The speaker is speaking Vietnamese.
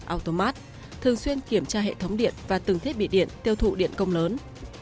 automat thường xuyên kiểm tra hệ thống điện và từng thiết bị điện tiêu thụ điện công lớn